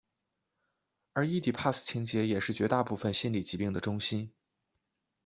而伊底帕斯情结也是绝大部分心理疾病的中心。